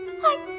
はい。